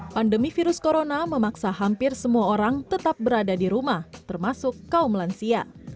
pandemi virus corona memaksa hampir semua orang tetap berada di rumah termasuk kaum lansia